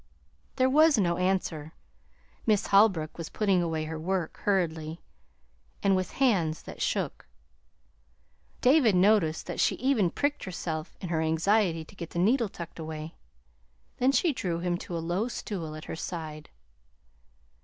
There was no answer. Miss Holbrook was putting away her work, hurriedly, and with hands that shook. David noticed that she even pricked herself in her anxiety to get the needle tucked away. Then she drew him to a low stool at her side.